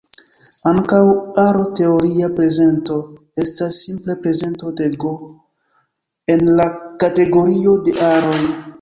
Ankaŭ, aro-teoria prezento estas simple prezento de "G" en la kategorio de aroj.